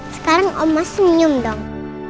sekarang omah senyum dong